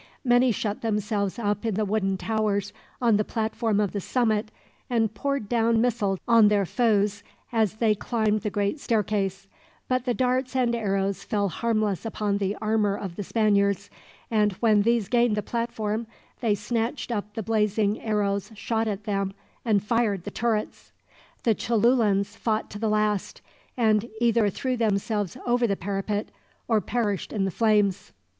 Many shut themselves up in the wooden towers on the platform of the summit, and poured down missiles on their foes as they climbed the great staircase; but the darts and arrows fell harmless upon the armor of the Spaniards, and when these gained the platform, they snatched up the blazing arrows shot at them, and fired the turrets. The Cholulans fought to the last, and either threw themselves over the parapet, or perished in the flames.